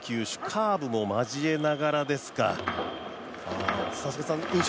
カーブも交えながらですか。